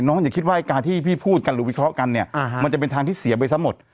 อย่าคิดว่าการที่พี่พูดกันหรือวิเคราะห์กันเนี่ยมันจะเป็นทางที่เสียไปซะหมด